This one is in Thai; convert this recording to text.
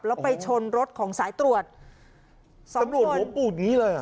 แล้วไปชนรถของสายตรวจสำรวจหงมปูหนิเลย